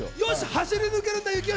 走り抜けるんだ征悦。